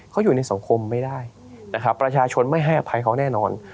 เขาอยู่ในสังคมไม่ได้นะครับประชาชนไม่ให้อภัยเขาแน่นอน